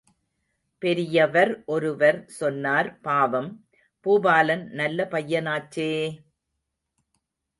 பெரியவர் ஒருவர் சொன்னார் பாவம், பூபாலன் நல்ல பையனாச்சே!